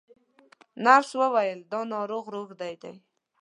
نرس وویل دا ناروغ روږدی دی.